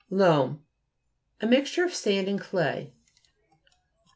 LOAM A mixture of sand and clay.